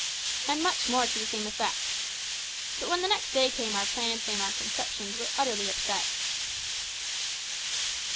And much more to the same effect. But when next day came our plans and our conceptions were utterly upset.